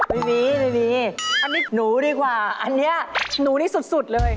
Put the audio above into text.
เป็นหนูดีกว่าอันนี้หนูนี่สุดเลย